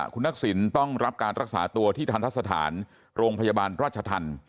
คุณทักษิณต้องรับการรักษาตัวที่ทันทะสถานโรงพยาบาลราชธรรม